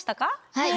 はい。